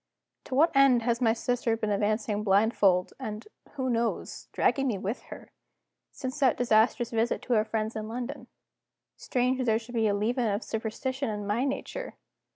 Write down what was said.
To what end has my sister been advancing blindfold, and (who knows?) dragging me with her, since that disastrous visit to our friends in London? Strange that there should be a leaven of superstition in my nature!